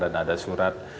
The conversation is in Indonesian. dan ada surat